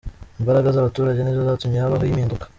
Imbaraga z’abaturage nizo zatumye habaho iyi mpinduka.